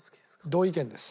同意見です。